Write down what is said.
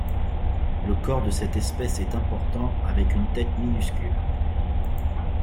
Le corps de cette espèce est important avec une tête minuscule.